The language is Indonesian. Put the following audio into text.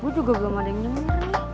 gue juga belum ada yang nyeri